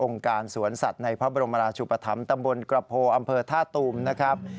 การสวนสัตว์ในพระบรมราชุปธรรมตำบลกระโพอำเภอท่าตูมนะครับ